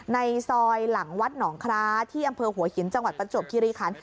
ในซอยหลังวัดหนองคล้าที่อำเภอหัวหินจังหวัดประจวบคิริคัน